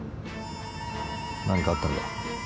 何かあったのか？